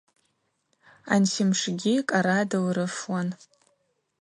Ансимшгьи кӏара дылрыфуан.